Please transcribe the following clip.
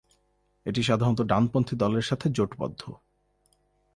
এটি সাধারণত ডানপন্থী দলের সাথে জোটবদ্ধ।